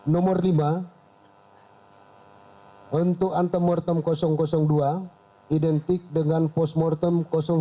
nomor lima untuk antemortem dua identik dengan kosmortem empat belas